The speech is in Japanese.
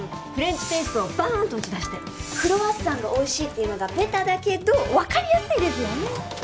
フレンチテイストをバーンと打ち出してクロワッサンがおいしいっていうのがベタだけど分かりやすいですよね